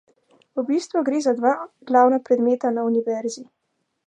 V bistvu gre za dva glavna predmeta na univerzi.